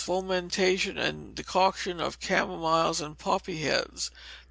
Fomentation with a decoction of camomiles and poppy heads; No.